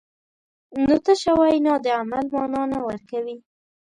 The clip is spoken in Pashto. نو تشه وینا د عمل مانا نه ورکوي.